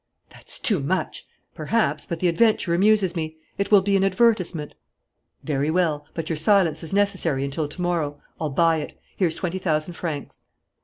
"That's too much!" "Perhaps, but the adventure amuses me. It will be an advertisement." "Very well. But your silence is necessary until to morrow. I'll buy it. Here's twenty thousand francs."